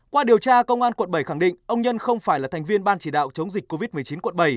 qua điều tra công an quận bảy khẳng định ông nhân không phải là thành viên ban chỉ đạo chống dịch covid một mươi chín quận bảy